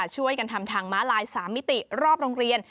ช่วยกันทำทางม้าลาย๓มิติรอบโรงเรียน